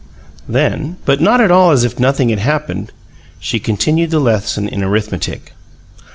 Then (but not at all as if nothing had happened), she continued the lesson in arithmetic.